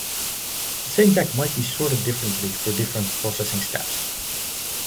The same deck might be sorted differently for different processing steps.